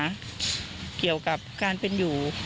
เหมือนกับการเป็นอยู่